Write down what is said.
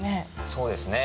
そうですね。